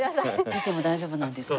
見ても大丈夫なんですか？